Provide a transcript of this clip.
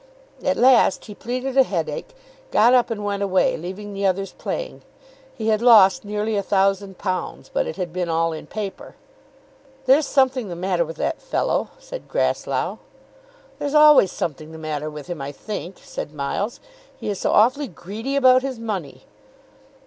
At last he pleaded a headache, got up, and went away, leaving the others playing. He had lost nearly a thousand pounds, but it had been all in paper. "There's something the matter with that fellow," said Grasslough. "There's always something the matter with him, I think," said Miles. "He is so awfully greedy about his money."